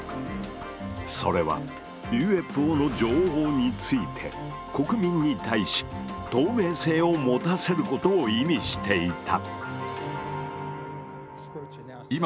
それはＵＦＯの情報について国民に対し透明性を持たせることを意味していた。